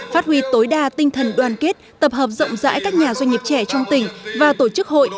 phát huy tối đa tinh thần đoàn kết tập hợp rộng rãi các nhà doanh nghiệp trẻ trong tỉnh và tổ chức hội